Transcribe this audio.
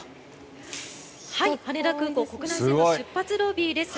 羽田空港国内線の出発ロビーです。